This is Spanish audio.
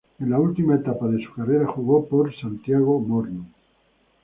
En la última etapa de su carrera jugó por Santiago Morning.